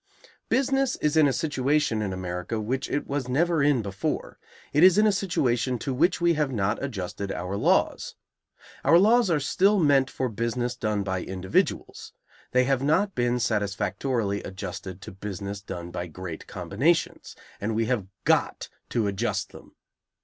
Business is in a situation in America which it was never in before; it is in a situation to which we have not adjusted our laws. Our laws are still meant for business done by individuals; they have not been satisfactorily adjusted to business done by great combinations, and we have got to adjust them.